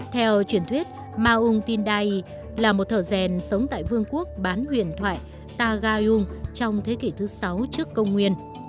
theo truyền thuyết maung tindai là một thờ rèn sống tại vương quốc bán huyền thoại ta gaiung trong thế kỷ thứ sáu trước công nguyên